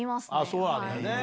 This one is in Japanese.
そうなんだね。